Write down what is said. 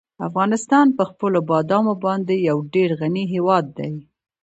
افغانستان په خپلو بادامو باندې یو ډېر غني هېواد دی.